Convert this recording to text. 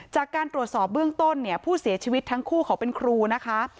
จากการตรวจสอบเบื้องต้นเนี่ยผู้เสียชีวิตทั้งคู่เขาเป็นครูนะคะ